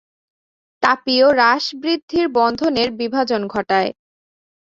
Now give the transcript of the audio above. তাপীয় হ্রাস-বৃদ্ধি বন্ধনের বিভাজন ঘটায়।